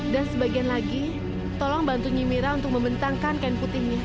dan sebagian lagi tolong bantu nyimira untuk membentangkan kain putihnya